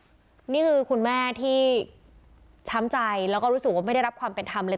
นี่คือคุณแม่ที่ช้ำใจแล้วก็รู้สึกว่าไม่ได้รับความเป็นธรรมเลย